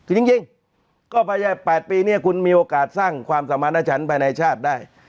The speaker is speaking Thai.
จริงก็ประแยก๘ปีนี้คุณมีโอกาสสร้างความสมัครหน้าชั้นไปในชาติได้